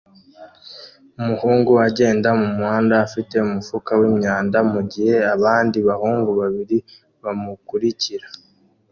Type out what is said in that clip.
Umuhungu agenda mumuhanda afite umufuka wimyanda mugihe abandi bahungu babiri bamukurikira